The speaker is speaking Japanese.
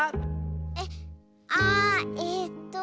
えっあえっと。